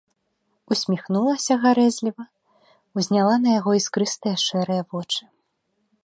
Усміхнулася гарэзліва, узняла на яго іскрыстыя шэрыя вочы.